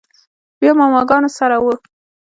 بيا ماما ګانو سره و.